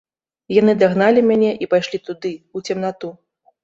Яны дагналі мяне і пайшлі туды, у цемнату.